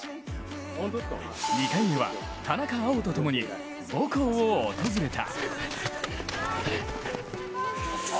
２回目は田中碧とともに母校を訪れた。